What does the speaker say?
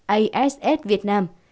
ass việt nam